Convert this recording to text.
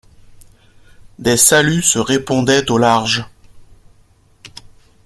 Des saluts se répondaient au large.